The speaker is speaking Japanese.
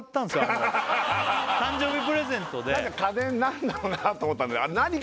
あの誕生日プレゼントで家電何だろうなと思ったんだよ